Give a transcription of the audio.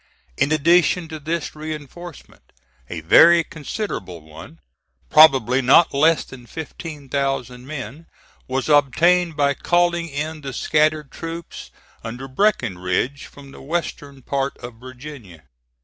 In addition to this reinforcement, a very considerable one, probably not less than fifteen thousand men, was obtained by calling in the scattered troops under Breckinridge from the western part of Virginia.